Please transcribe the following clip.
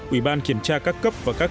ủy ban kiểm tra các cấp và các cơ